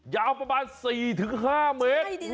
ยาวประมาณ๔ถึง๔หรือ๕เมตร